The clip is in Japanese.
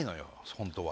本当は。